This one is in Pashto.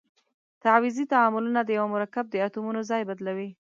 تعویضي تعاملونه د یوه مرکب د اتومونو ځای بدلوي.